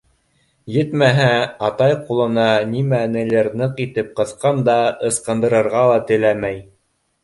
Етмәһә, атай ҡулына нимәнелер ныҡ итеп ҡыҫҡан да, ысҡындырырға ла теләмәй.